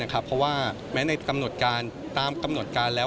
เพราะว่าแม้ในกำหนดการตามกำหนดการแล้ว